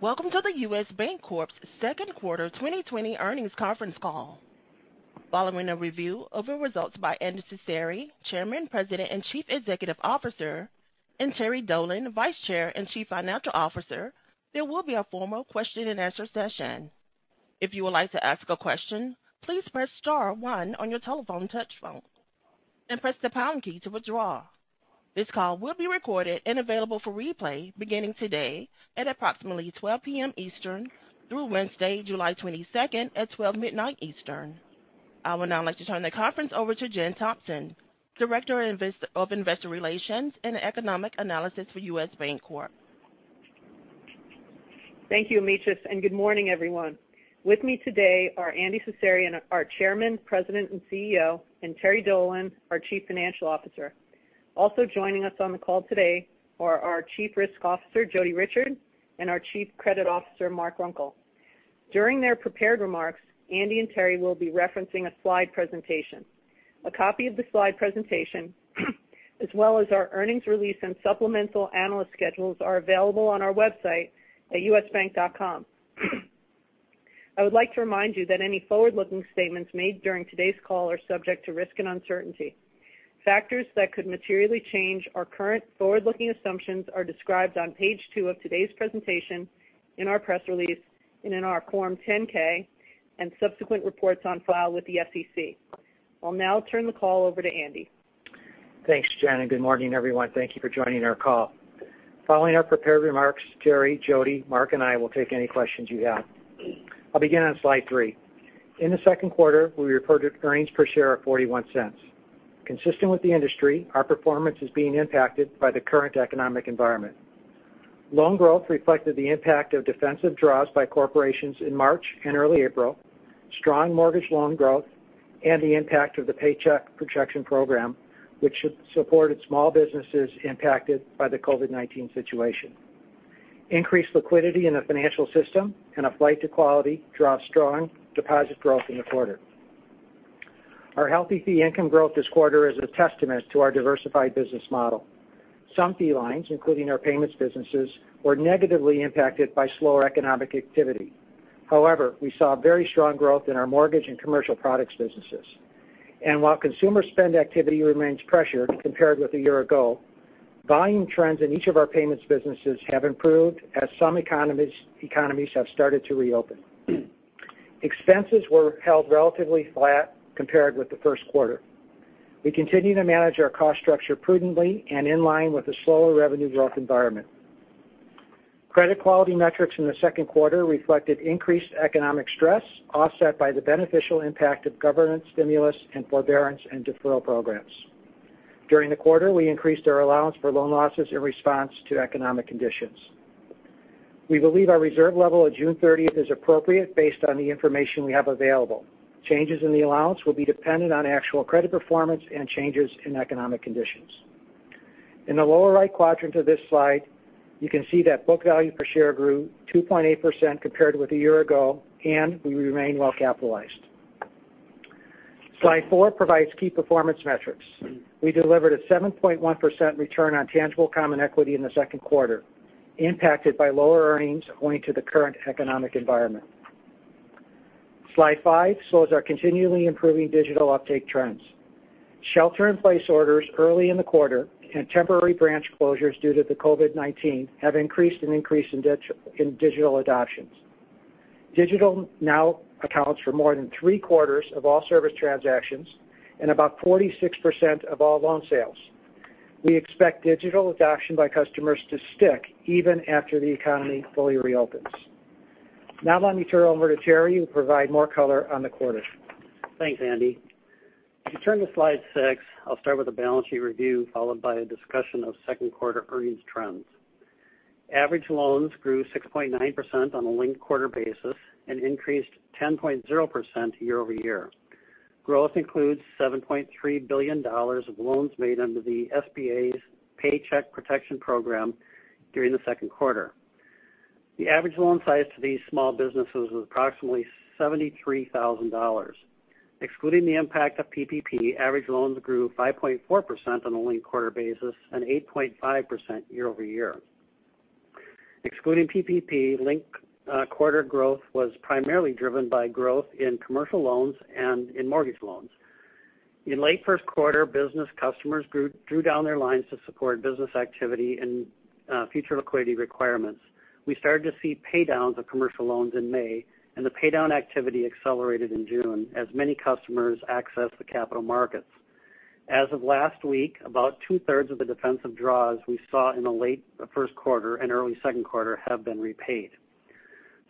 Welcome to the U.S. Bancorp's second quarter 2020 earnings conference call. Following a review of the results by Andy Cecere, Chairman, President, and Chief Executive Officer, and Terry Dolan, Vice Chair and Chief Financial Officer, there will be a formal question-and-answer session. If you would like to ask a question, please press star one on your telephone touch phone, and press the pound key to withdraw. This call will be recorded and available for replay beginning today at approximately 12:00 P.M. Eastern through Wednesday, July 22nd at 12 midnight Eastern. I would now like to turn the conference over to Jen Thompson, Director of Investor Relations and Economic Analysis for U.S. Bancorp. Thank you, Amaris, and good morning, everyone. With me today are Andy Cecere, our Chairman, President, and CEO, and Terry Dolan, our Chief Financial Officer. Also joining us on the call today are our Chief Risk Officer, Jodi Richard, and our Chief Credit Officer, Mark Runkel. During their prepared remarks, Andy and Terry will be referencing a slide presentation. A copy of the slide presentation, as well as our earnings release and supplemental analyst schedules are available on our website at usbank.com. I would like to remind you that any forward-looking statements made during today's call are subject to risk and uncertainty. Factors that could materially change our current forward-looking assumptions are described on page two of today's presentation, in our press release, and in our Form 10-K, and subsequent reports on file with the SEC. I'll now turn the call over to Andy. Thanks, Jen, and good morning, everyone. Thank you for joining our call. Following our prepared remarks, Terry, Jodi, Mark, and I will take any questions you have. I'll begin on slide three. In the second quarter, we reported earnings per share of $0.41. Consistent with the industry, our performance is being impacted by the current economic environment. Loan growth reflected the impact of defensive draws by corporations in March and early April, strong mortgage loan growth, and the impact of the Paycheck Protection Program, which supported small businesses impacted by the COVID-19 situation. Increased liquidity in the financial system and a flight to quality drove strong deposit growth in the quarter. Our healthy fee income growth this quarter is a testament to our diversified business model. Some fee lines, including our payments businesses, were negatively impacted by slower economic activity. However, we saw very strong growth in our mortgage and commercial products businesses. While consumer spend activity remains pressured compared with a year ago, volume trends in each of our payments businesses have improved as some economies have started to reopen. Expenses were held relatively flat compared with the first quarter. We continue to manage our cost structure prudently and in line with the slower revenue growth environment. Credit quality metrics in the second quarter reflected increased economic stress offset by the beneficial impact of government stimulus and forbearance and deferral programs. During the quarter, we increased our allowance for loan losses in response to economic conditions. We believe our reserve level at June 30th is appropriate based on the information we have available. Changes in the allowance will be dependent on actual credit performance and changes in economic conditions. In the lower right quadrant of this slide, you can see that book value per share grew 2.8% compared with a year ago, and we remain well-capitalized. Slide four provides key performance metrics. We delivered a 7.1% return on tangible common equity in the second quarter, impacted by lower earnings owing to the current economic environment. Slide five shows our continually improving digital uptake trends. Shelter in place orders early in the quarter and temporary branch closures due to the COVID-19 have increased in digital adoptions. Digital now accounts for more than three-quarters of all service transactions and about 46% of all loan sales. We expect digital adoption by customers to stick even after the economy fully reopens. Let me turn it over to Terry who will provide more color on the quarter. Thanks, Andy. If you turn to slide six, I'll start with a balance sheet review followed by a discussion of second quarter earnings trends. Average loans grew 6.9% on a linked-quarter basis and increased 10.0% year-over-year. Growth includes $7.3 billion of loans made under the SBA's Paycheck Protection Program during the second quarter. The average loan size to these small businesses was approximately $73,000. Excluding the impact of PPP, average loans grew 5.4% on a linked-quarter basis and 8.5% year-over-year. Excluding PPP, linked-quarter growth was primarily driven by growth in commercial loans and in mortgage loans. In late first quarter, business customers drew down their lines to support business activity and future liquidity requirements. We started to see paydowns of commercial loans in May, and the paydown activity accelerated in June as many customers accessed the capital markets. As of last week, about two-thirds of the defensive draws we saw in the late first quarter and early second quarter have been repaid.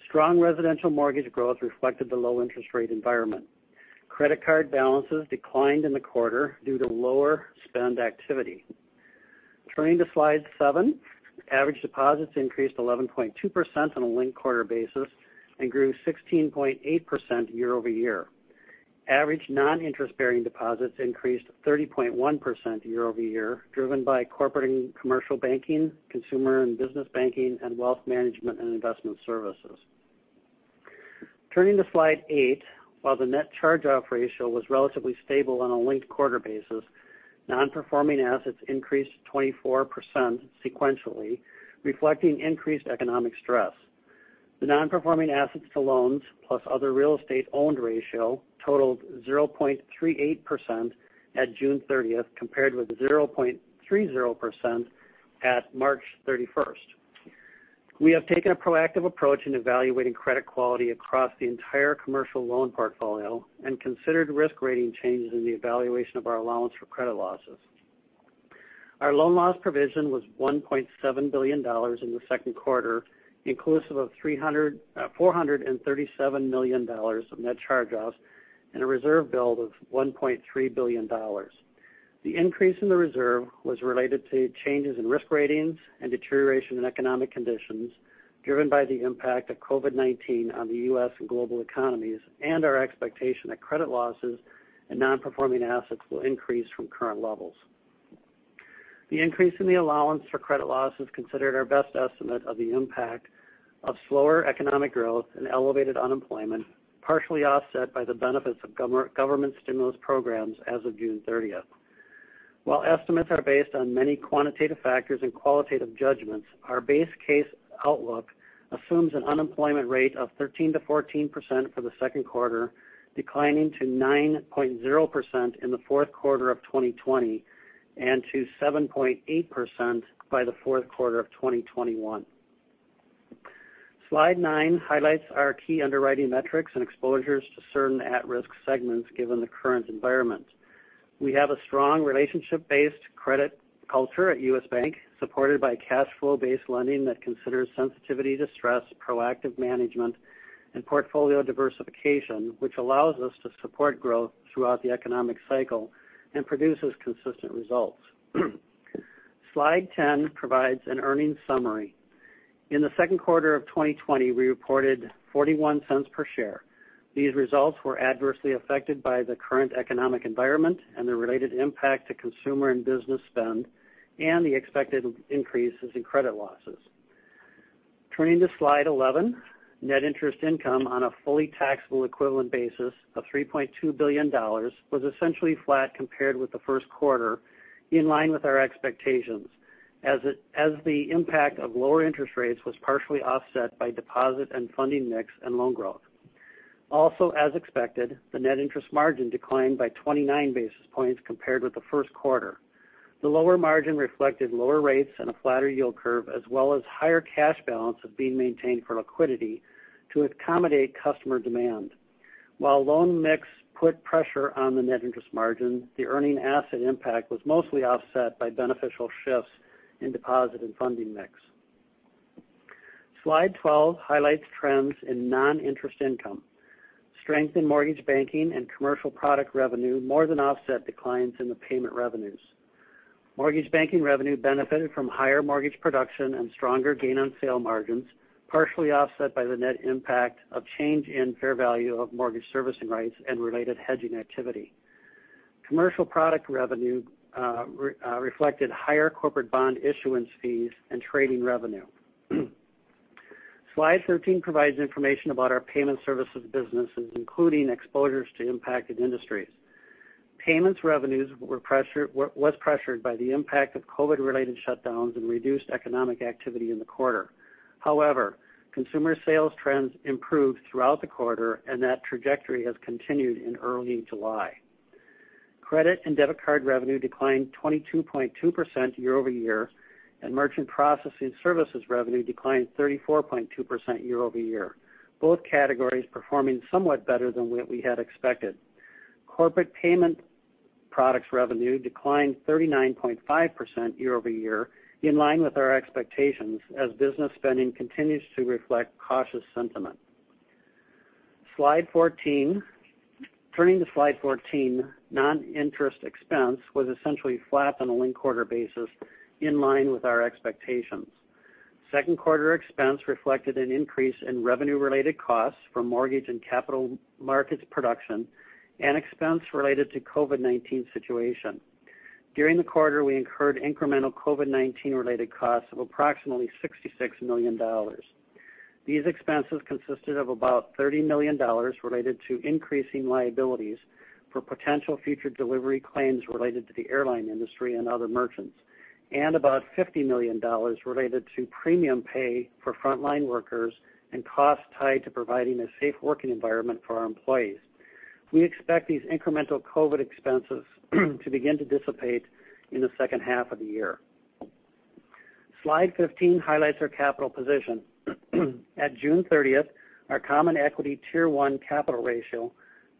Strong residential mortgage growth reflected the low interest rate environment. Credit card balances declined in the quarter due to lower spend activity. Turning to slide seven. Average deposits increased 11.2% on a linked-quarter basis and grew 16.8% year-over-year. Average non-interest-bearing deposits increased 30.1% year-over-year, driven by corporate and commercial banking, consumer and business banking, and wealth management and investment services. Turning to slide eight. While the net charge-off ratio was relatively stable on a linked-quarter basis, non-performing assets increased 24% sequentially, reflecting increased economic stress. The non-performing assets to loans plus other real estate owned ratio totaled 0.38% at June 30th, compared with 0.30% at March 31st. We have taken a proactive approach in evaluating credit quality across the entire commercial loan portfolio and considered risk rating changes in the evaluation of our allowance for credit losses. Our loan loss provision was $1.7 billion in the second quarter, inclusive of $437 million of net charge-offs and a reserve build of $1.3 billion. The increase in the reserve was related to changes in risk ratings and deterioration in economic conditions, driven by the impact of COVID-19 on the U.S. and global economies, and our expectation that credit losses and non-performing assets will increase from current levels. The increase in the allowance for credit loss is considered our best estimate of the impact of slower economic growth and elevated unemployment, partially offset by the benefits of government stimulus programs as of June 30th. While estimates are based on many quantitative factors and qualitative judgments, our base case outlook assumes an unemployment rate of 13%-14% for the second quarter, declining to 9.0% in the fourth quarter of 2020 and to 7.8% by the fourth quarter of 2021. Slide nine highlights our key underwriting metrics and exposures to certain at-risk segments, given the current environment. We have a strong relationship-based credit culture at U.S. Bank, supported by cash flow-based lending that considers sensitivity to stress, proactive management and portfolio diversification, which allows us to support growth throughout the economic cycle and produces consistent results. Slide 10 provides an earnings summary. In the second quarter of 2020, we reported $0.41 per share. These results were adversely affected by the current economic environment and the related impact to consumer and business spend, and the expected increases in credit losses. Turning to Slide 11. Net interest income on a fully taxable equivalent basis of $3.2 billion was essentially flat compared with the first quarter, in line with our expectations, as the impact of lower interest rates was partially offset by deposit and funding mix and loan growth. As expected, the net interest margin declined by 29 basis points compared with the first quarter. The lower margin reflected lower rates and a flatter yield curve, as well as higher cash balance of being maintained for liquidity to accommodate customer demand. While loan mix put pressure on the net interest margin, the earning asset impact was mostly offset by beneficial shifts in deposit and funding mix. Slide 12 highlights trends in non-interest income. Strength in mortgage banking and commercial product revenue more than offset declines in the payment revenues. Mortgage banking revenue benefited from higher mortgage production and stronger gain on sale margins, partially offset by the net impact of change in fair value of mortgage servicing rights and related hedging activity. Commercial product revenue reflected higher corporate bond issuance fees and trading revenue. Slide 13 provides information about our payment services businesses, including exposures to impacted industries. Payments revenues was pressured by the impact of COVID-related shutdowns and reduced economic activity in the quarter. However, consumer sales trends improved throughout the quarter, and that trajectory has continued in early July. Credit and debit card revenue declined 22.2% year-over-year, and merchant processing services revenue declined 34.2% year-over-year. Both categories performing somewhat better than what we had expected. Corporate payment products revenue declined 39.5% year-over-year, in line with our expectations as business spending continues to reflect cautious sentiment. Turning to slide 14. Non-interest expense was essentially flat on a linked-quarter basis, in line with our expectations. Second quarter expense reflected an increase in revenue-related costs for mortgage and capital markets production and expense related to COVID-19 situation. During the quarter, we incurred incremental COVID-19-related costs of approximately $66 million. These expenses consisted of about $30 million related to increasing liabilities for potential future delivery claims related to the airline industry and other merchants, and about $50 million related to premium pay for frontline workers and costs tied to providing a safe working environment for our employees. We expect these incremental COVID expenses to begin to dissipate in the second half of the year. Slide 15 highlights our capital position. At June 30th, our Common Equity Tier 1 capital ratio,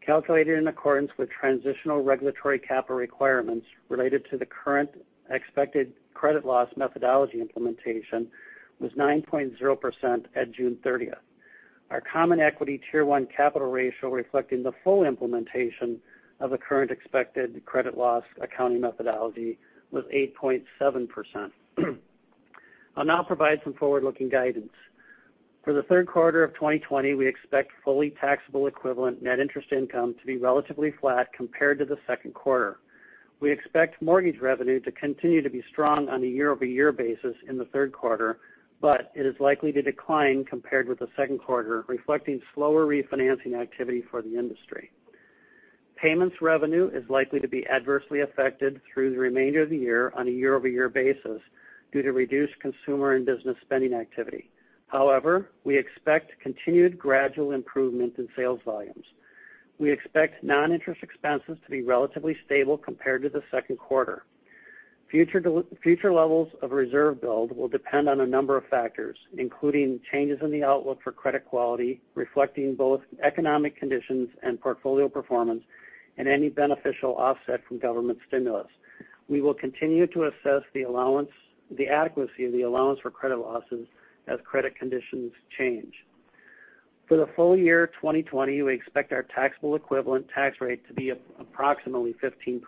calculated in accordance with transitional regulatory capital requirements related to the Current Expected Credit Loss methodology implementation, was 9.0% at June 30th. Our Common Equity Tier 1 capital ratio, reflecting the full implementation of the Current Expected Credit Loss accounting methodology, was 8.7%. I'll now provide some forward-looking guidance. For the third quarter of 2020, we expect fully taxable equivalent net interest income to be relatively flat compared to the second quarter. We expect mortgage revenue to continue to be strong on a year-over-year basis in the third quarter, but it is likely to decline compared with the second quarter, reflecting slower refinancing activity for the industry. Payments revenue is likely to be adversely affected through the remainder of the year on a year-over-year basis due to reduced consumer and business spending activity. However, we expect continued gradual improvement in sales volumes. We expect non-interest expenses to be relatively stable compared to the second quarter. Future levels of reserve build will depend on a number of factors, including changes in the outlook for credit quality, reflecting both economic conditions and portfolio performance, and any beneficial offset from government stimulus. We will continue to assess the adequacy of the allowance for credit losses as credit conditions change. For the full year 2020, we expect our taxable equivalent tax rate to be approximately 15%.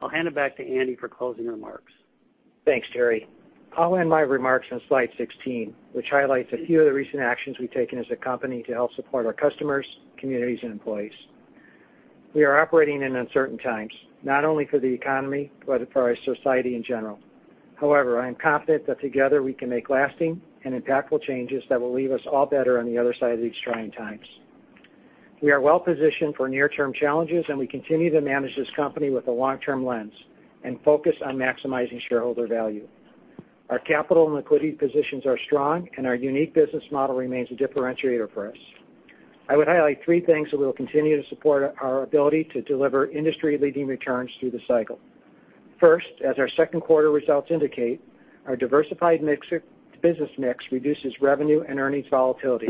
I'll hand it back to Andy for closing remarks. Thanks, Terry. I'll end my remarks on slide 16, which highlights a few of the recent actions we've taken as a company to help support our customers, communities, and employees. We are operating in uncertain times, not only for the economy, but for our society in general. I am confident that together we can make lasting and impactful changes that will leave us all better on the other side of these trying times. We are well-positioned for near-term challenges, and we continue to manage this company with a long-term lens and focus on maximizing shareholder value. Our capital and liquidity positions are strong, and our unique business model remains a differentiator for us. I would highlight three things that will continue to support our ability to deliver industry-leading returns through the cycle. First, as our second quarter results indicate, our diversified business mix reduces revenue and earnings volatility.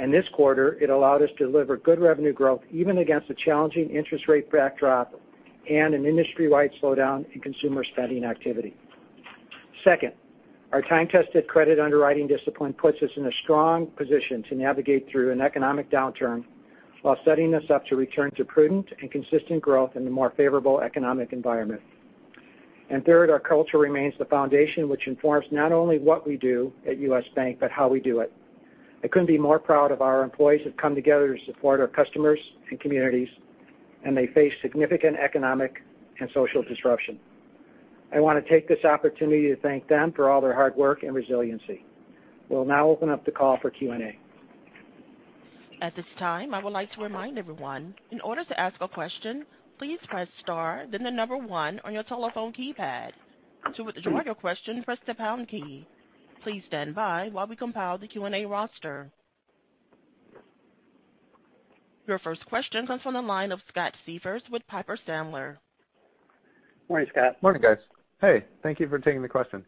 In this quarter, it allowed us to deliver good revenue growth even against a challenging interest rate backdrop and an industry-wide slowdown in consumer spending activity. Second, our time-tested credit underwriting discipline puts us in a strong position to navigate through an economic downturn while setting us up to return to prudent and consistent growth in a more favorable economic environment. Third, our culture remains the foundation which informs not only what we do at U.S. Bank, but how we do it. I couldn't be more proud of our employees who've come together to support our customers and communities, and they face significant economic and social disruption. I want to take this opportunity to thank them for all their hard work and resiliency. We'll now open up the call for Q&A. At this time, I would like to remind everyone, in order to ask a question, please press star, then the number one on your telephone keypad. To withdraw your question, press the pound key. Please stand by while we compile the Q&A roster. Your first question comes from the line of Scott Siefers with Piper Sandler. Morning, Scott. Morning, guys. Hey, thank you for taking the question.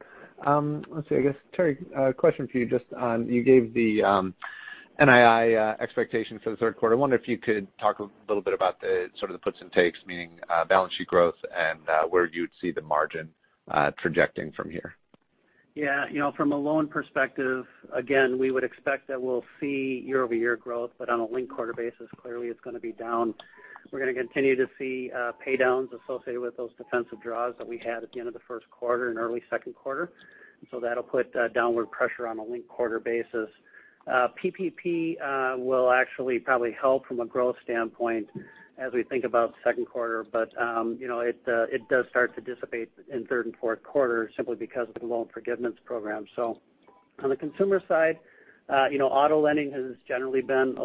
Let's see, I guess, Terry, a question for you just on, you gave the NII expectation for the third quarter. I wonder if you could talk a little bit about the sort of the puts and takes, meaning balance sheet growth and where you'd see the margin projecting from here? Yeah. From a loan perspective, again, we would expect that we'll see year-over-year growth, but on a linked-quarter basis, clearly it's going to be down. We're going to continue to see paydowns associated with those defensive draws that we had at the end of the first quarter and early second quarter. That'll put downward pressure on a linked-quarter basis. PPP will actually probably help from a growth standpoint as we think about the second quarter. It does start to dissipate in third and fourth quarter simply because of the loan forgiveness program. On the consumer side, auto lending has generally been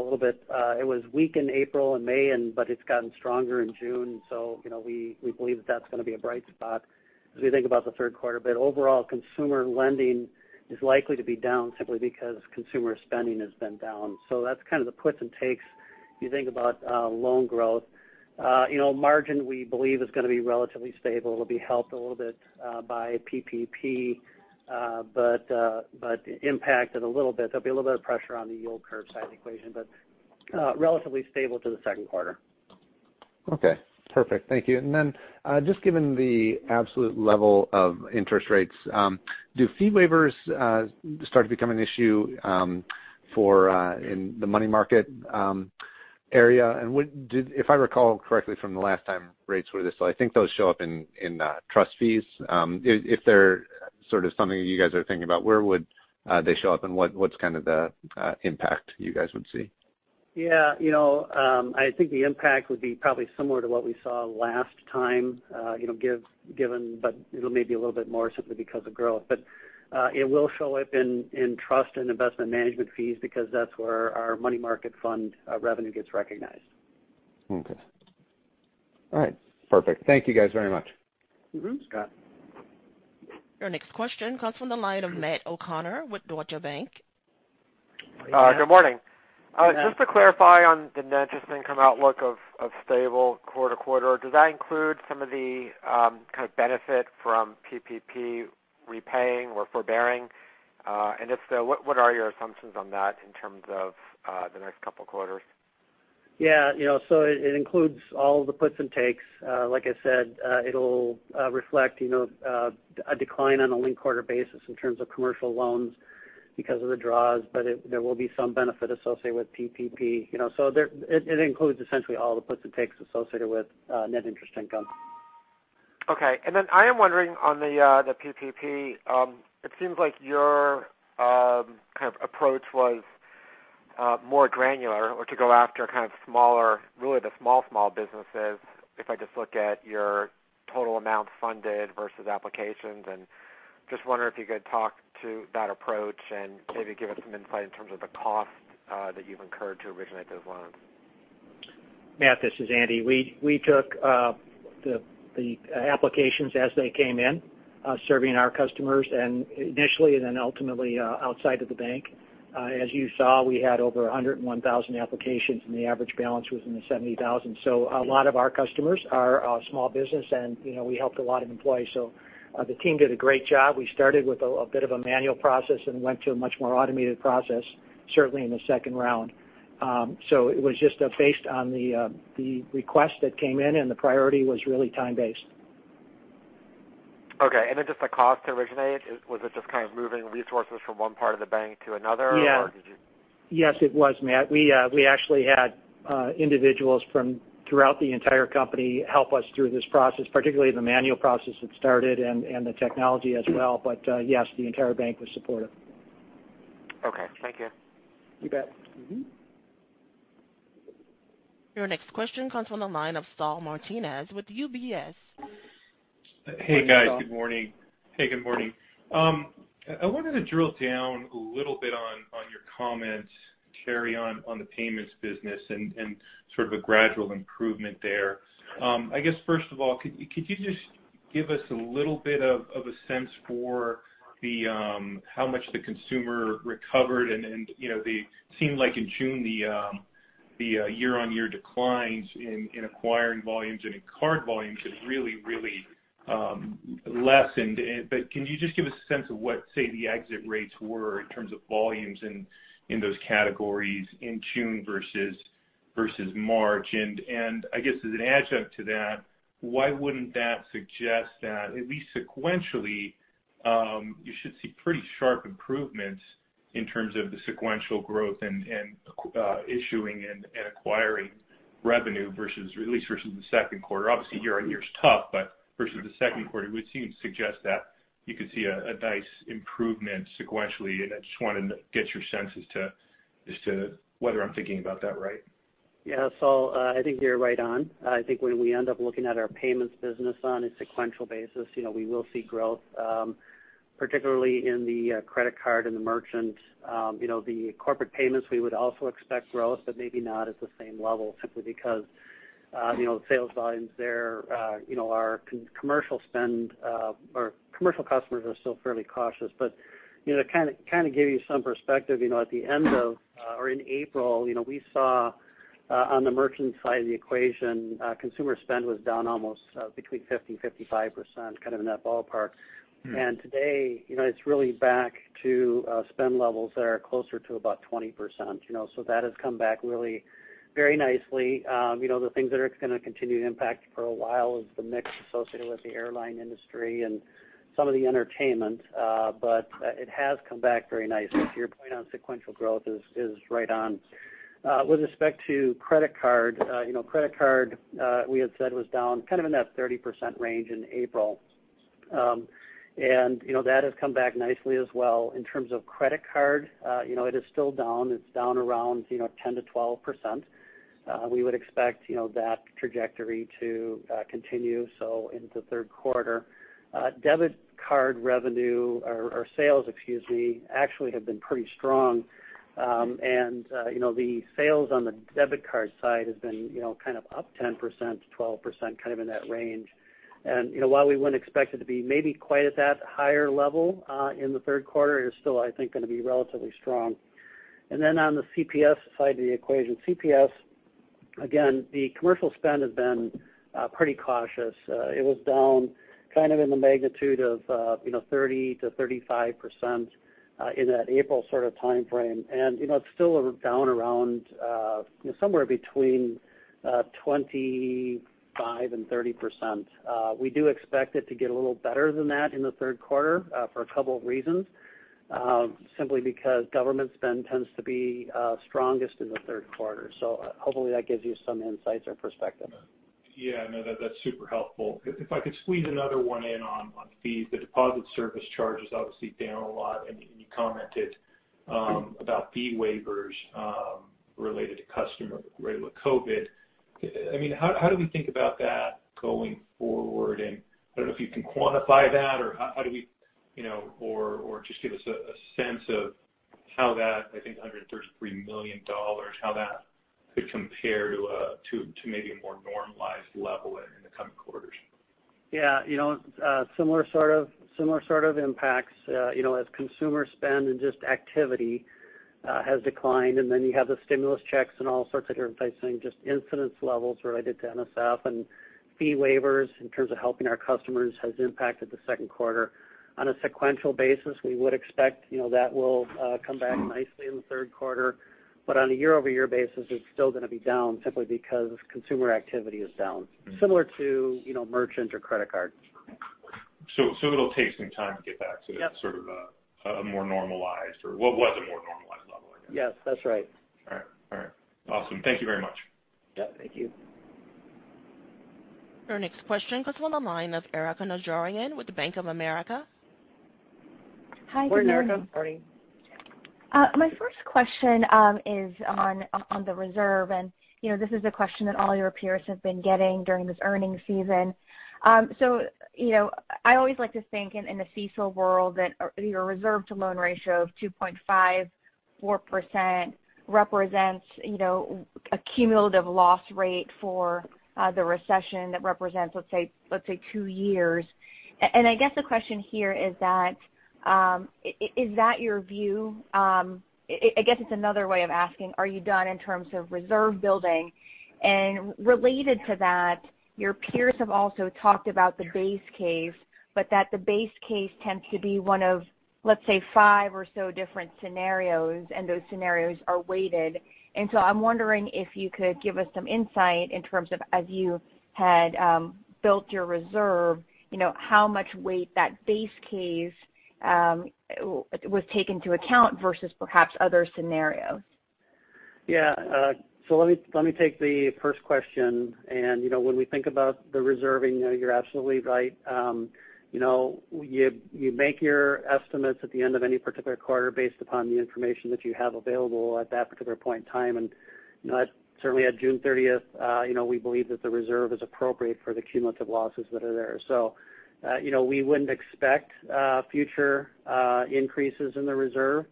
weak in April and May, but it's gotten stronger in June. We believe that's going to be a bright spot as we think about the third quarter. Overall, consumer lending is likely to be down simply because consumer spending has been down. That's kind of the puts and takes if you think about loan growth. Margin, we believe, is going to be relatively stable. It'll be helped a little bit by PPP. Impacted a little bit. There'll be a little bit of pressure on the yield curve side of the equation, but relatively stable to the second quarter. Just given the absolute level of interest rates, do fee waivers start to become an issue in the money market area? If I recall correctly from the last time rates were this low, I think those show up in trust fees. If they're something you guys are thinking about, where would they show up, and what's kind of the impact you guys would see? Yeah. I think the impact would be probably similar to what we saw last time given, but it'll may be a little bit more simply because of growth. It will show up in trust and investment management fees because that's where our money market fund revenue gets recognized. Okay. All right, perfect. Thank you guys very much. Scott. Your next question comes from the line of Matt O'Connor with Deutsche Bank. Morning, Matt. Good morning. Good morning. Just to clarify on the net interest income outlook of stable quarter-to-quarter, does that include some of the kind of benefit from PPP repaying or forbearing? If so, what are your assumptions on that in terms of the next couple of quarters? Yeah. It includes all the puts and takes. Like I said, it'll reflect a decline on a linked quarter basis in terms of commercial loans because of the draws, but there will be some benefit associated with PPP. It includes essentially all the puts and takes associated with net interest income. Okay. I am wondering on the PPP, it seems like your kind of approach was more granular or to go after kind of smaller, really the small businesses, if I just look at your total amount funded versus applications, and just wonder if you could talk to that approach and maybe give us some insight in terms of the cost that you've incurred to originate those loans. Matt, this is Andy. We took the applications as they came in serving our customers and initially then ultimately outside of the bank. As you saw, we had over 101,000 applications and the average balance was in the $70,000. A lot of our customers are small business and we helped a lot of employees. The team did a great job. We started with a bit of a manual process and went to a much more automated process, certainly in the second round. It was just based on the request that came in and the priority was really time-based. Okay. Just the cost to originate, was it just kind of moving resources from one part of the bank to another? Yes, it was, Matt. We actually had individuals from throughout the entire company help us through this process, particularly the manual process that started and the technology as well. Yes, the entire Bank was supportive. Okay. Thank you. You bet. Mm-hmm. Your next question comes from the line of Saul Martinez with UBS. Hey, guys. Good morning. Hey, good morning. I wanted to drill down a little bit on your comments, Terry, on the payments business and sort of a gradual improvement there. I guess first of all, could you just give us a little bit of a sense for how much the consumer recovered and it seemed like in June the year-on-year declines in acquiring volumes and in card volumes had really lessened. Can you just give us a sense of what, say, the exit rates were in terms of volumes in those categories in June versus March? I guess as an adjunct to that, why wouldn't that suggest that at least sequentially you should see pretty sharp improvements in terms of the sequential growth and issuing and acquiring revenue versus, at least versus the second quarter. Obviously year-on-year is tough, but versus the second quarter, it would seem to suggest that you could see a nice improvement sequentially. I just want to get your sense as to whether I'm thinking about that right. Yeah. Saul, I think you're right on. I think when we end up looking at our payments business on a sequential basis we will see growth, particularly in the credit card and the merchant. The corporate payments, we would also expect growth, but maybe not at the same level simply because the sales volumes there are commercial spend or commercial customers are still fairly cautious. To kind of give you some perspective, at the end of or in April, we saw on the merchant side of the equation consumer spend was down almost between 50% and 55%, kind of in that ballpark. Today, it's really back to spend levels that are closer to about 20%. That has come back really very nicely. The things that are going to continue to impact for a while is the mix associated with the airline industry and some of the entertainment. It has come back very nicely. Your point on sequential growth is right on. With respect to credit card, credit card we had said was down kind of in that 30% range in April. That has come back nicely as well. In terms of credit card it is still down. It's down around 10%-12%. We would expect that trajectory to continue so into the third quarter. Debit card revenue or sales, excuse me, actually have been pretty strong. The sales on the debit card side has been kind of up 10%-12%, kind of in that range. While we wouldn't expect it to be maybe quite at that higher level in the third quarter, it is still, I think, going to be relatively strong. On the CPS side of the equation. CPS, again, the commercial spend has been pretty cautious. It was down kind of in the magnitude of 30%-35% in that April sort of timeframe. It's still down around somewhere between 25%-30%. We do expect it to get a little better than that in the third quarter for a couple of reasons. Simply because government spend tends to be strongest in the third quarter. Hopefully that gives you some insights or perspective. Yeah, no, that's super helpful. If I could squeeze another one in on fees. The deposit service charge is obviously down a lot. You commented about fee waivers related to customer, related to COVID. How do we think about that going forward? I don't know if you can quantify that or how do we-- or just give us a sense of how that, I think $133 million, how that could compare to maybe a more normalized level in the coming quarters. Yeah. Similar sort of impacts as consumer spend and just activity has declined. You have the stimulus checks and all sorts of different things, just incidence levels related to NSF and fee waivers in terms of helping our customers has impacted the second quarter. On a sequential basis, we would expect that will come back nicely in the third quarter. On a year-over-year basis, it's still going to be down simply because consumer activity is down. Similar to merchant or credit card. It'll take some time to get back to. Yep sort of a more normalized or what was a more normalized level, I guess. Yes, that's right. All right. Awesome. Thank you very much. Yep, thank you. Your next question comes from the line of Erika Najarian with Bank of America. Hi. Go ahead, Erika, starting. My first question is on the reserve. This is a question that all your peers have been getting during this earning season. I always like to think in the CECL world that your reserve to loan ratio of 2.54% represents a cumulative loss rate for the recession that represents, let's say, two years. I guess the question here is that, is that your view? I guess it's another way of asking, are you done in terms of reserve building? Related to that, your peers have also talked about the base case, but that the base case tends to be one of, let's say, five or so different scenarios, and those scenarios are weighted. I'm wondering if you could give us some insight in terms of, as you had built your reserve, how much weight that base case was taken into account versus perhaps other scenarios. Let me take the first question. When we think about the reserving, you're absolutely right. You make your estimates at the end of any particular quarter based upon the information that you have available at that particular point in time. Certainly at June 30th, we believe that the reserve is appropriate for the cumulative losses that are there. We wouldn't expect future increases in the reserve.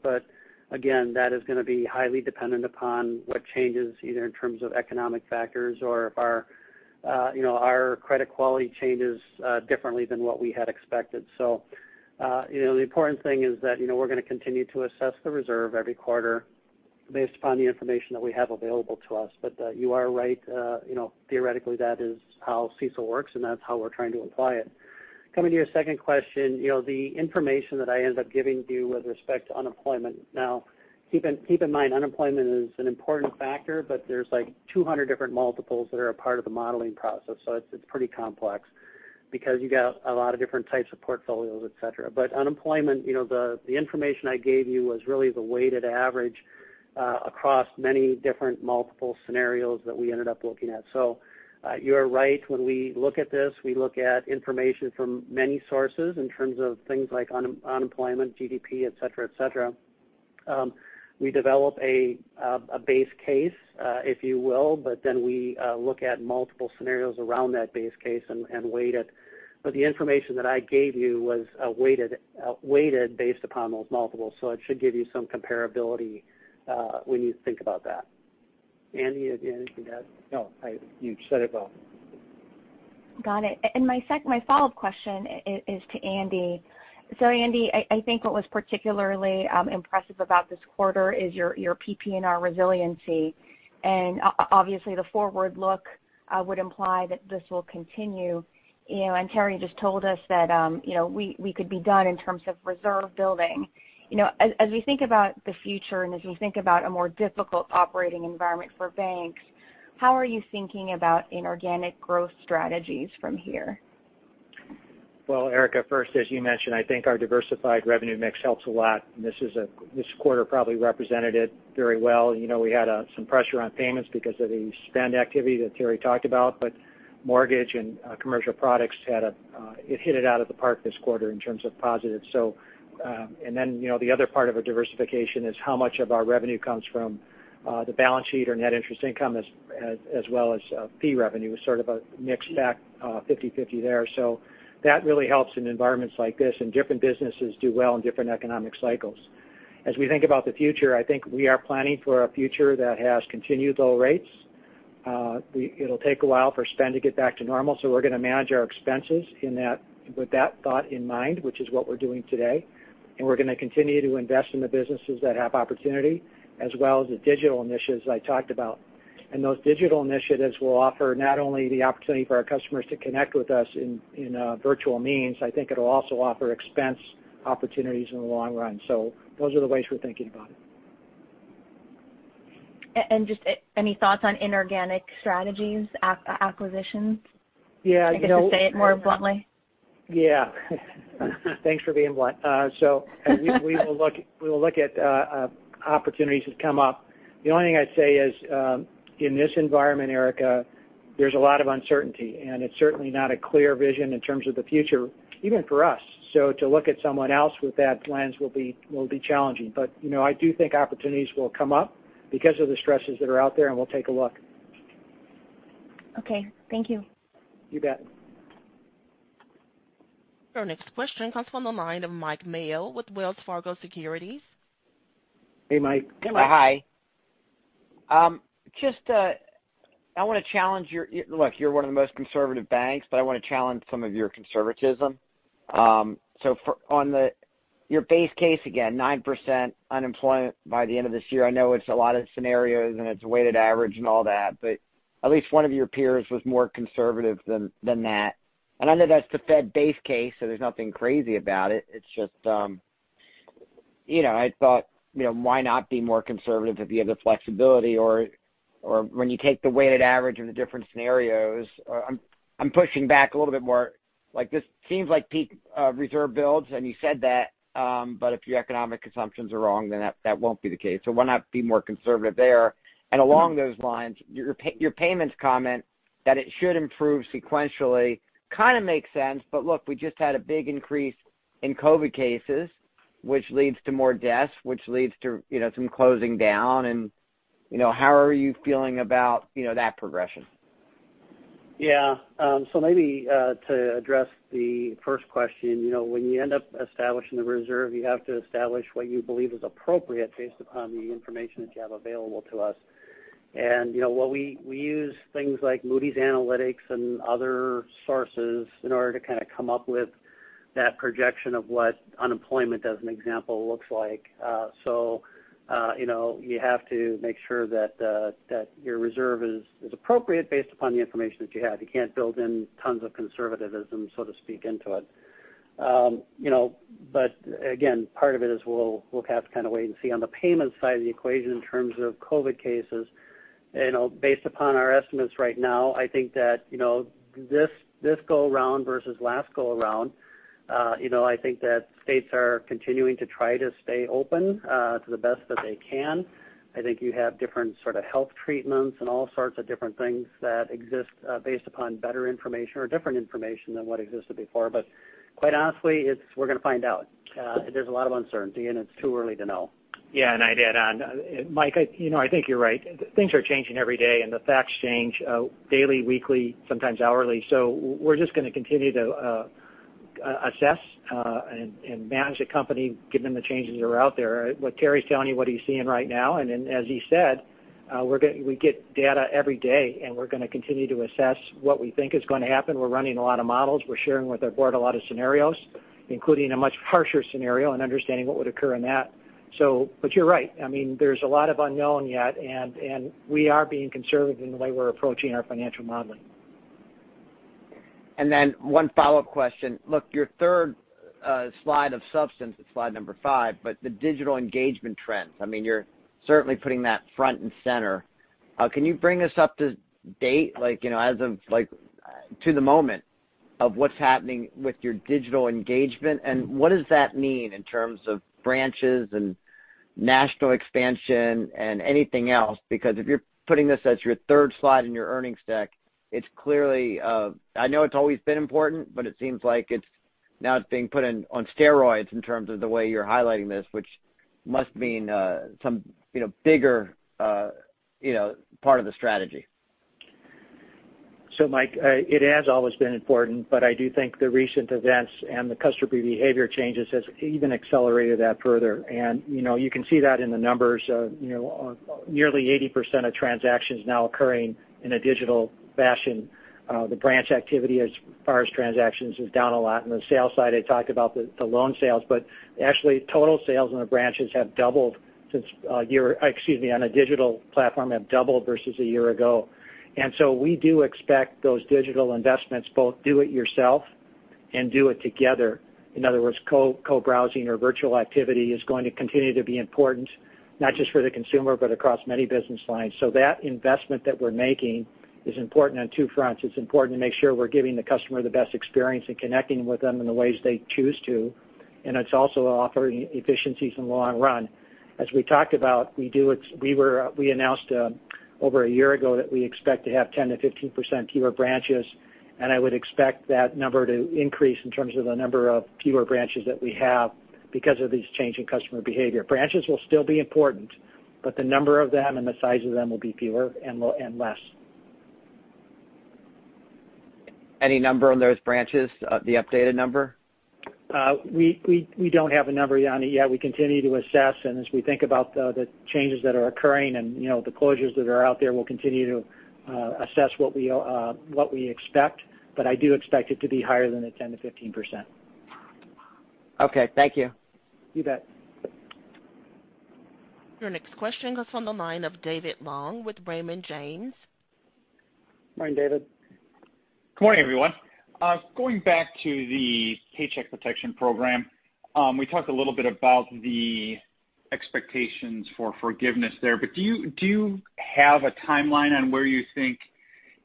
Again, that is going to be highly dependent upon what changes, either in terms of economic factors or if our credit quality changes differently than what we had expected. The important thing is that we're going to continue to assess the reserve every quarter based upon the information that we have available to us. You are right, theoretically, that is how CECL works, and that's how we're trying to apply it. Coming to your second question, the information that I ended up giving you with respect to unemployment. Keep in mind, unemployment is an important factor, but there's like 200 different multiples that are a part of the modeling process. It's pretty complex because you got a lot of different types of portfolios, et cetera. Unemployment, the information I gave you was really the weighted average across many different multiple scenarios that we ended up looking at. You are right. When we look at this, we look at information from many sources in terms of things like unemployment, GDP, et cetera. We develop a base case, if you will, but then we look at multiple scenarios around that base case and weight it. The information that I gave you was weighted based upon those multiples. It should give you some comparability when you think about that. Andy, anything to add? No, you said it well. Got it. My follow-up question is to Andy. Andy, I think what was particularly impressive about this quarter is your PPNR resiliency. Obviously the forward look would imply that this will continue. Terry just told us that we could be done in terms of reserve building. As we think about the future and as we think about a more difficult operating environment for banks, how are you thinking about inorganic growth strategies from here? Erika, first, as you mentioned, I think our diversified revenue mix helps a lot, and this quarter probably represented it very well. We had some pressure on payments because of the spend activity that Terry talked about. Mortgage and commercial products hit it out of the park this quarter in terms of positives. The other part of a diversification is how much of our revenue comes from the balance sheet or net interest income, as well as fee revenue is sort of a mixed bag, 50/50 there. That really helps in environments like this, and different businesses do well in different economic cycles. As we think about the future, I think we are planning for a future that has continued low rates. It'll take a while for spend to get back to normal. We're going to manage our expenses with that thought in mind, which is what we're doing today, and we're going to continue to invest in the businesses that have opportunity, as well as the digital initiatives I talked about. Those digital initiatives will offer not only the opportunity for our customers to connect with us in a virtual means, I think it'll also offer expense opportunities in the long run. Those are the ways we're thinking about it. Just any thoughts on inorganic strategies, acquisitions? Yeah. I guess to say it more bluntly. Yeah. Thanks for being blunt. We will look at opportunities that come up. The only thing I'd say is, in this environment, Erika, there's a lot of uncertainty, and it's certainly not a clear vision in terms of the future, even for us. To look at someone else with that lens will be challenging. I do think opportunities will come up because of the stresses that are out there, and we'll take a look. Okay. Thank you. You bet. Your next question comes from the line of Mike Mayo with Wells Fargo Securities. Hey, Mike. Good morning. Hi. Look, you're one of the most conservative banks. I want to challenge some of your conservatism. On your base case, again, 9% unemployment by the end of this year. I know it's a lot of scenarios and it's a weighted average and all that. At least one of your peers was more conservative than that. I know that's the Fed base case. There's nothing crazy about it. It's just I thought why not be more conservative if you have the flexibility or when you take the weighted average of the different scenarios. I'm pushing back a little bit more. This seems like peak reserve builds, and you said that. If your economic assumptions are wrong, then that won't be the case. Why not be more conservative there? Along those lines, your payments comment that it should improve sequentially kind of makes sense, but look, we just had a big increase in COVID cases, which leads to more deaths, which leads to some closing down, and how are you feeling about that progression? Yeah. Maybe to address the first question, when you end up establishing the reserve, you have to establish what you believe is appropriate based upon the information that you have available to us. We use things like Moody's Analytics and other sources in order to kind of come up with that projection of what unemployment, as an example, looks like. You have to make sure that your reserve is appropriate based upon the information that you have. You can't build in tons of conservativism, so to speak, into it. Again, part of it is we'll have to kind of wait and see. On the payment side of the equation, in terms of COVID cases, based upon our estimates right now, I think that this go-around versus last go-around, I think that states are continuing to try to stay open to the best that they can. I think you have different sort of health treatments and all sorts of different things that exist based upon better information or different information than what existed before. Quite honestly, we're going to find out. There's a lot of uncertainty, and it's too early to know. I'd add on, Mike, I think you're right. Things are changing every day. The facts change daily, weekly, sometimes hourly. We're just going to continue to assess and manage the company given the changes that are out there, what Terry's telling you, what he's seeing right now. As he said, we get data every day, and we're going to continue to assess what we think is going to happen. We're running a lot of models. We're sharing with our board a lot of scenarios, including a much harsher scenario and understanding what would occur in that. You're right. There's a lot of unknown yet, and we are being conservative in the way we're approaching our financial modeling. One follow-up question. Look, your third slide of substance, it's slide number five, the digital engagement trends. You're certainly putting that front and center. Can you bring us up to date, like to the moment, of what's happening with your digital engagement? What does that mean in terms of branches and national expansion and anything else? If you're putting this as your third slide in your earnings deck, I know it's always been important, but it seems like it's now being put on steroids in terms of the way you're highlighting this, which must mean some bigger part of the strategy. Mike, it has always been important, but I do think the recent events and the customer behavior changes has even accelerated that further. You can see that in the numbers. Nearly 80% of transactions now occurring in a digital fashion. The branch activity as far as transactions is down a lot. On the sales side, I talked about the loan sales, but actually total sales on a digital platform have doubled versus a year ago. We do expect those digital investments, both do it yourself and do it together. In other words, co-browsing or virtual activity is going to continue to be important, not just for the consumer, but across many business lines. That investment that we're making is important on two fronts. It's important to make sure we're giving the customer the best experience and connecting with them in the ways they choose to, and it's also offering efficiencies in the long run. As we talked about, we announced over a year ago that we expect to have 10%-15% fewer branches, and I would expect that number to increase in terms of the number of fewer branches that we have because of these changing customer behavior. Branches will still be important, but the number of them and the size of them will be fewer and less. Any number on those branches, the updated number? We don't have a number on it yet. We continue to assess, and as we think about the changes that are occurring and the closures that are out there, we'll continue to assess what we expect. I do expect it to be higher than the 10%-15%. Okay. Thank you. You bet. Your next question comes from the line of David Long with Raymond James. Morning, David. Good morning, everyone. Going back to the Paycheck Protection Program, we talked a little bit about the expectations for forgiveness there. Do you have a timeline on where you think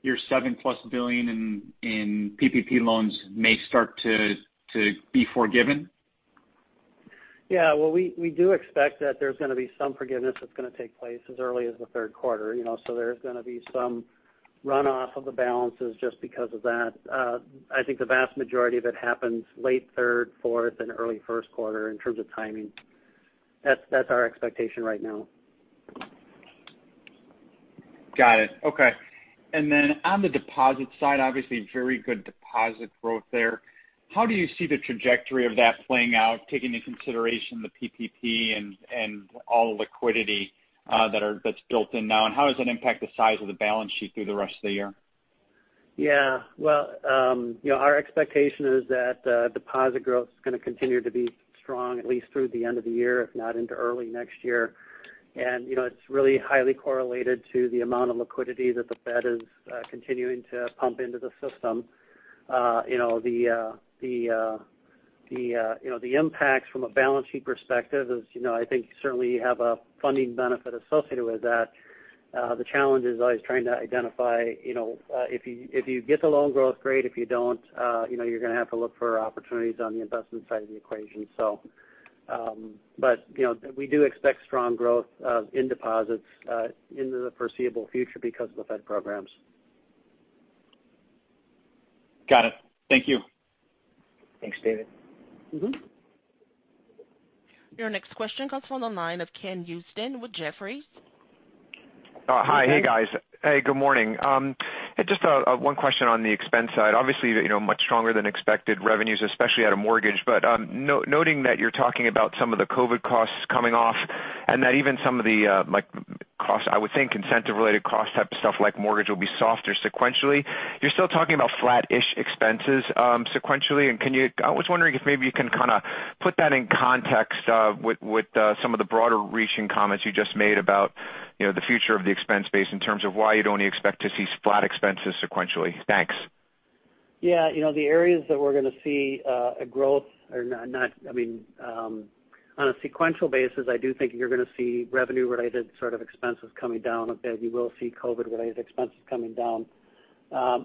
your $7+ billion in PPP loans may start to be forgiven? Yeah. Well, we do expect that there's going to be some forgiveness that's going to take place as early as the third quarter, so there's going to be some runoff of the balances just because of that. I think the vast majority of it happens late third, fourth, and early first quarter in terms of timing. That's our expectation right now. Got it. Okay. On the deposit side, obviously very good deposit growth there. How do you see the trajectory of that playing out, taking into consideration the PPP and all the liquidity that's built in now? How does that impact the size of the balance sheet through the rest of the year? Yeah. Well, our expectation is that deposit growth is going to continue to be strong at least through the end of the year, if not into early next year. It's really highly correlated to the amount of liquidity that the Fed is continuing to pump into the system. The impacts from a balance sheet perspective is, I think certainly you have a funding benefit associated with that. The challenge is always trying to identify if you get the loan growth, great. If you don't, you're going to have to look for opportunities on the investment side of the equation. We do expect strong growth in deposits into the foreseeable future because of the Fed programs. Got it. Thank you. Thanks, David. Your next question comes from the line of Ken Usdin with Jefferies. Hi. Hey, guys. Hey, good morning. Just one question on the expense side. Obviously, much stronger than expected revenues, especially out of mortgage. Noting that you're talking about some of the COVID costs coming off and that even some of the, I would think, incentive-related cost type stuff like mortgage will be softer sequentially, you're still talking about flat-ish expenses sequentially. I was wondering if maybe you can kind of put that in context with some of the broader-reaching comments you just made about the future of the expense base in terms of why you'd only expect to see flat expenses sequentially. Thanks. Yeah. On a sequential basis, I do think you're going to see revenue-related sort of expenses coming down a bit. You will see COVID-related expenses coming down.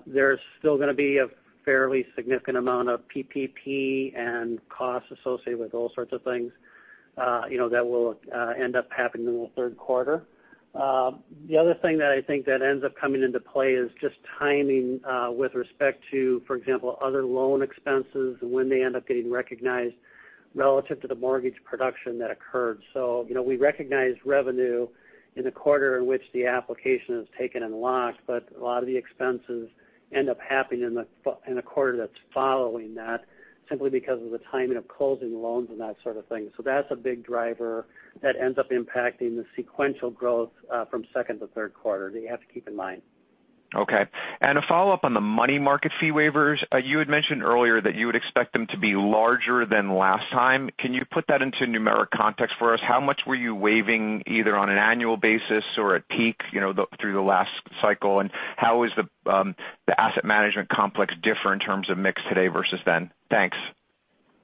There's still going to be a fairly significant amount of PPP and costs associated with all sorts of things that will end up happening in the third quarter. The other thing that I think that ends up coming into play is just timing with respect to, for example, other loan expenses and when they end up getting recognized relative to the mortgage production that occurred. We recognize revenue in the quarter in which the application is taken and locked, but a lot of the expenses end up happening in the quarter that's following that simply because of the timing of closing loans and that sort of thing. That's a big driver that ends up impacting the sequential growth from second to third quarter that you have to keep in mind. Okay. A follow-up on the money market fee waivers. You had mentioned earlier that you would expect them to be larger than last time. Can you put that into numeric context for us? How much were you waiving either on an annual basis or at peak through the last cycle? How is the asset management complex differ in terms of mix today versus then? Thanks.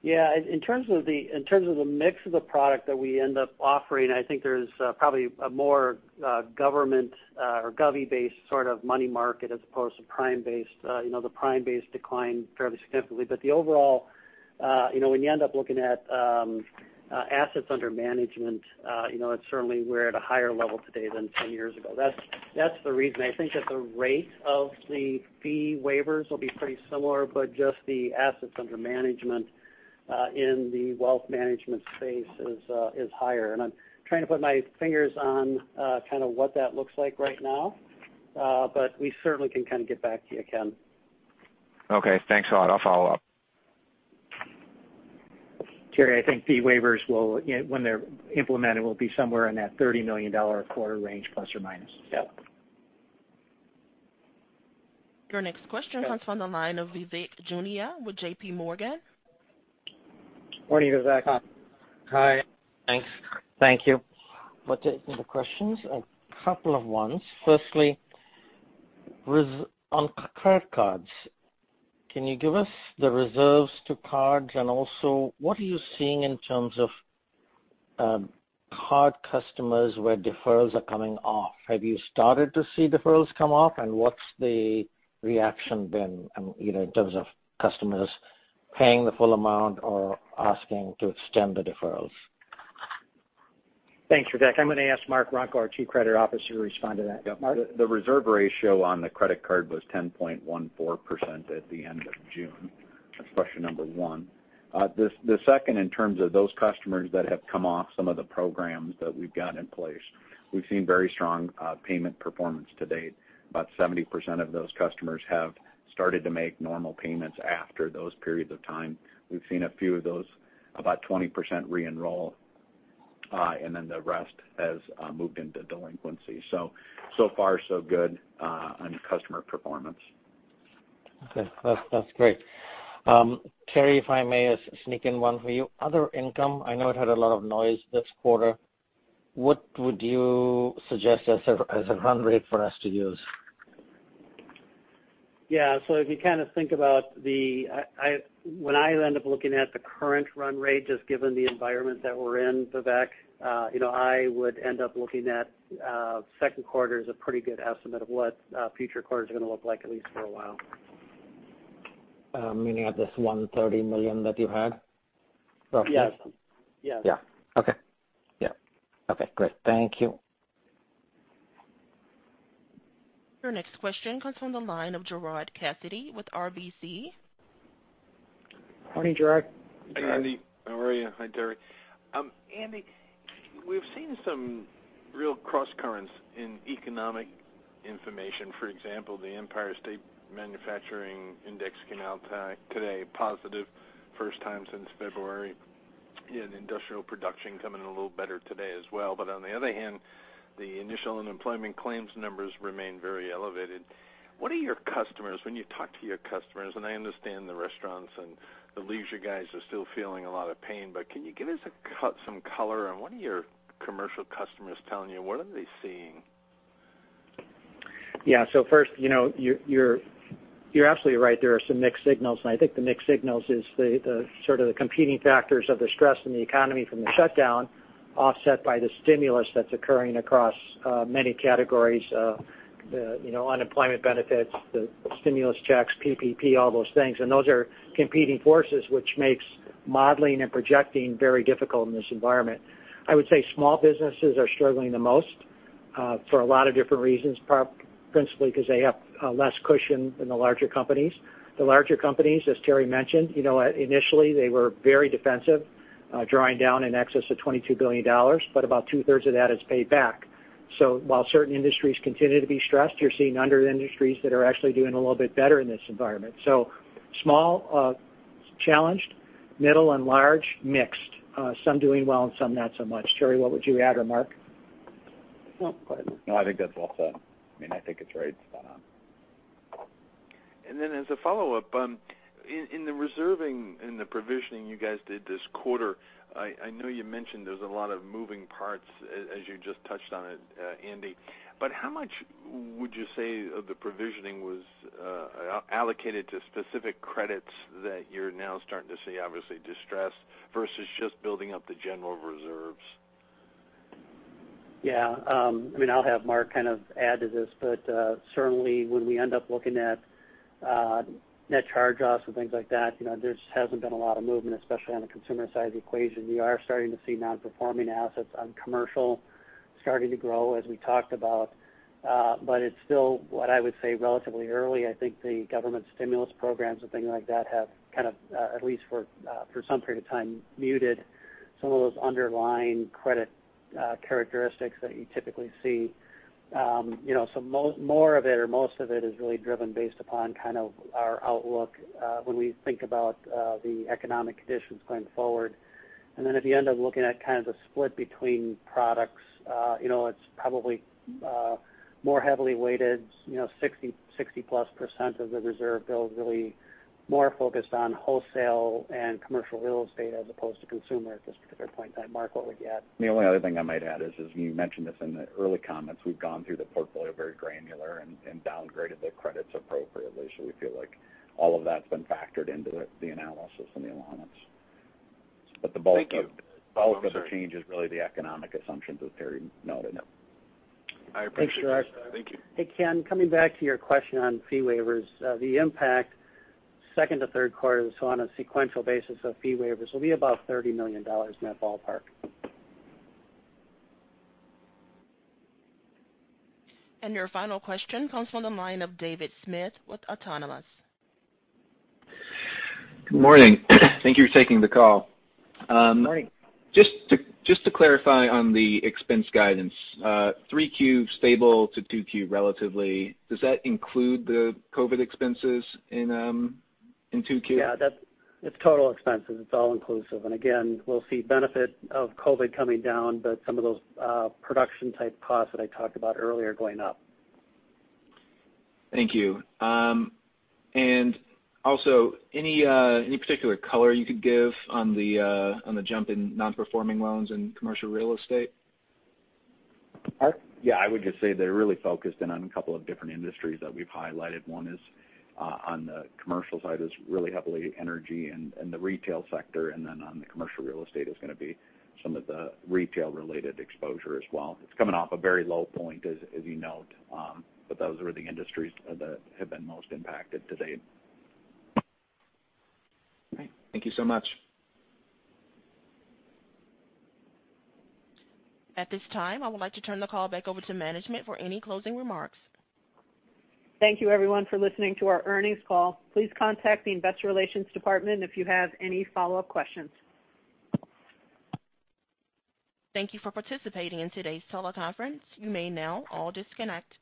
Yeah. In terms of the mix of the product that we end up offering, I think there's probably a more government or govvy-based sort of money market as opposed to prime-based. The prime-based declined fairly significantly. The overall, when you end up looking at assets under management, certainly we're at a higher level today than 10 years ago. That's the reason. I think that the rate of the fee waivers will be pretty similar, but just the assets under management in the wealth management space is higher. I'm trying to put my fingers on kind of what that looks like right now. We certainly can kind of get back to you, Ken. Okay, thanks a lot. I'll follow up. Terry, I think fee waivers, when they're implemented, will be somewhere in that $30 million a quarter range, plus or minus. Yeah. Your next question comes from the line of Vivek Juneja with JPMorgan. Morning, Vivek. Hi. Thanks. Thank you for taking the questions. A couple of ones. Firstly, on credit cards, can you give us the reserves to cards? Also, what are you seeing in terms of card customers where deferrals are coming off? Have you started to see deferrals come off? What's the reaction been in terms of customers paying the full amount or asking to extend the deferrals? Thanks, Vivek. I'm going to ask Mark Runkel, our Chief Credit Officer, to respond to that. Mark? The reserve ratio on the credit card was 10.14% at the end of June. That's question number 1. The second, in terms of those customers that have come off some of the programs that we've got in place, we've seen very strong payment performance to date. About 70% of those customers have started to make normal payments after those periods of time. We've seen a few of those, about 20% re-enroll. The rest has moved into delinquency. So far, so good on customer performance. Okay. That's great. Terry, if I may sneak in one for you. Other income, I know it had a lot of noise this quarter. What would you suggest as a run rate for us to use? Yeah, if you kind of think about when I end up looking at the current run rate, just given the environment that we're in, Vivek, I would end up looking at second quarter as a pretty good estimate of what future quarters are going to look like, at least for a while. Meaning at this $130 million that you had roughly? Yes. Yeah. Okay. Yeah. Okay, great. Thank you. Your next question comes from the line of Gerard Cassidy with RBC. Morning, Gerard. Hi, Andy. How are you? Hi, Terry. Andy. We've seen some real crosscurrents in economic information. For example, the Empire State Manufacturing Index came out today positive, first time since February, in industrial production coming a little better today as well. On the other hand, the initial unemployment claims numbers remain very elevated. When you talk to your customers, I understand the restaurants and the leisure guys are still feeling a lot of pain, can you give us some color on what are your commercial customers telling you? What are they seeing? Yeah. First, you're absolutely right. There are some mixed signals. I think the mixed signals is the competing factors of the stress in the economy from the shutdown offset by the stimulus that's occurring across many categories. Unemployment benefits, the stimulus checks, PPP, all those things. Those are competing forces, which makes modeling and projecting very difficult in this environment. I would say small businesses are struggling the most, for a lot of different reasons, principally because they have less cushion than the larger companies. The larger companies, as Terry mentioned, initially they were very defensive, drawing down in excess of $22 billion, but about two-thirds of that is paid back. While certain industries continue to be stressed, you're seeing other industries that are actually doing a little bit better in this environment. Small, challenged; middle and large, mixed. Some doing well and some not so much. Terry, what would you add, or Mark? No, go ahead. No, I think that's well said. I think it's right. Then as a follow-up, in the reserving and the provisioning you guys did this quarter, I know you mentioned there's a lot of moving parts, as you just touched on it, Andy. But how much would you say of the provisioning was allocated to specific credits that you're now starting to see obviously distressed, versus just building up the general reserves? I'll have Mark kind of add to this, but certainly when we end up looking at net charge-offs and things like that, there just hasn't been a lot of movement, especially on the consumer side of the equation. We are starting to see non-performing assets on commercial starting to grow, as we talked about. It's still, what I would say, relatively early. I think the government stimulus programs and things like that have kind of, at least for some period of time, muted some of those underlying credit characteristics that you typically see. More of it or most of it is really driven based upon kind of our outlook when we think about the economic conditions going forward. If you end up looking at kind of the split between products, it's probably more heavily weighted, 60-plus% of the reserve build really more focused on wholesale and commercial real estate as opposed to consumer at this particular point in time. Mark, what would you add? The only other thing I might add is, you mentioned this in the early comments. We've gone through the portfolio very granular and downgraded the credits appropriately. We feel like all of that's been factored into the analysis and the allowance. Thank you. The bulk of the change is really the economic assumptions, as Terry noted. I appreciate that. Thank you. Hey, Ken, coming back to your question on fee waivers. The impact second to third quarter, so on a sequential basis of fee waivers, will be about $30 million in that ballpark. Your final question comes from the line of David Smith with Autonomous. Good morning. Thank you for taking the call. Morning. Just to clarify on the expense guidance. 3Q stable to 2Q relatively. Does that include the COVID expenses in 2Q? It's total expenses. It's all-inclusive. Again, we'll see benefit of COVID coming down, but some of those production-type costs that I talked about earlier going up. Thank you. Also, any particular color you could give on the jump in non-performing loans in commercial real estate? Mark? Yeah. I would just say they're really focused in on a couple of different industries that we've highlighted. One is on the commercial side is really heavily energy and the retail sector, and then on the commercial real estate is going to be some of the retail-related exposure as well. It's coming off a very low point, as you note. Those are the industries that have been most impacted to date. All right. Thank you so much. At this time, I would like to turn the call back over to management for any closing remarks. Thank you everyone for listening to our earnings call. Please contact the investor relations department if you have any follow-up questions. Thank you for participating in today's teleconference. You may now all disconnect.